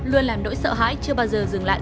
luôn làm nỗi sợ hãi chưa bao giờ dừng lại